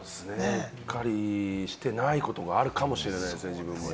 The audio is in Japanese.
しっかりしてないことがあるかもしれないですね、自分も。